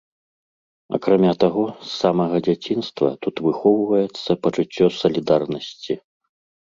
Акрамя таго, з самага дзяцінства тут выхоўваецца пачуццё салідарнасці.